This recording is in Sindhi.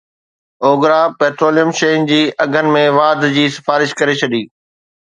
اوگرا پيٽروليم شين جي اگهن ۾ واڌ جي سفارش ڪري ڇڏي